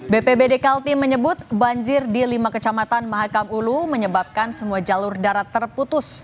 bpbd kalti menyebut banjir di lima kecamatan mahakam ulu menyebabkan semua jalur darat terputus